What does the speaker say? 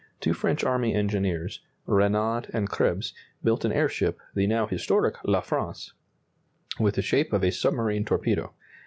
] In 1884, two French army engineers, Renard and Krebs, built an airship, the now historic La France, with the shape of a submarine torpedo.